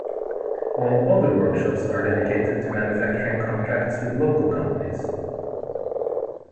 All other workshops are dedicated to manufacturing contracts with local companies.